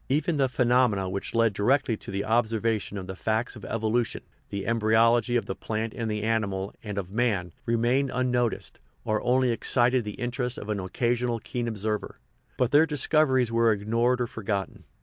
Even the phenomena which led directly to the observa tion of the facts of evolution the embryology of the plant and the animal, and of man remained un noticed, or only excited the interest of an occasional keen observer; but their discoveries were ignored or forgotten.